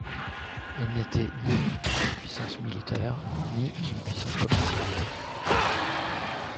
Elle n'était ni une puissance militaire, ni une puissance commerciale.